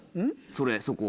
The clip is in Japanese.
それそこ。